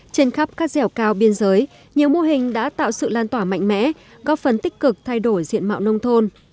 trên khắp các dẻo cao biên giới nhiều mô hình đã tạo sự lan tỏa mạnh mẽ góp phần tích cực thay đổi diện mạo nông thôn